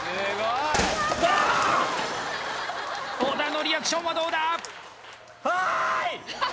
小田のリアクションはどうだ？